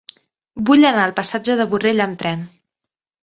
Vull anar al passatge de Borrell amb tren.